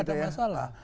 nanti gak ada masalah